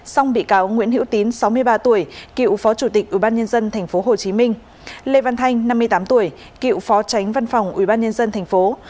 song bị cáo nguyễn hữu tín sáu mươi ba tuổi cựu phó chủ tịch ubnd tp hcm lê văn thanh năm mươi tám tuổi cựu phó tránh văn phòng ubnd tp